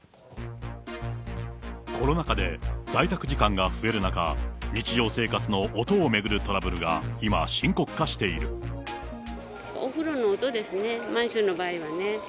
コロナ禍で在宅時間が増える中、日常生活の音を巡るトラブルが今、お風呂の音ですね、マンションの場合はね。